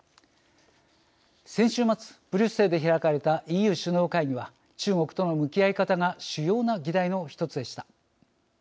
先週末ブリュッセルで開かれたＥＵ首脳会議は中国との向き合い方が主要な議題の１つでした。